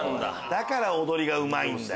だから踊りがうまいんだ。